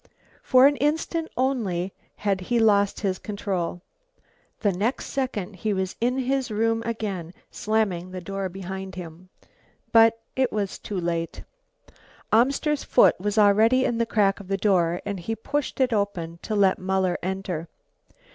For an instant only had he lost his control. The next second he was in his room again, slamming the door behind him. But it was too late. Amster's foot was already in the crack of the door and he pushed it open to let Muller enter.